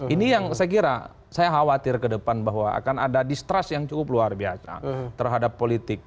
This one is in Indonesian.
ini yang saya kira saya khawatir ke depan bahwa akan ada distrust yang cukup luar biasa terhadap politik